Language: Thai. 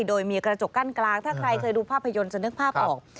โดยมีกระจกกั้นกลางถ้าใครเคยดูภาพยนตร์จะนึกภาพออก